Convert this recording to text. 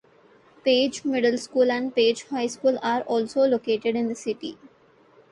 Page Middle School and Page High School are also located in the city.